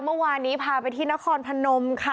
เมื่อวานนี้พาไปที่นครพนมค่ะ